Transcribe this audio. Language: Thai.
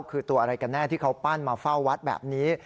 คือตัวอะไรกันแน่ที่เขาปั้นมาเฝ้าวัดแบบนี้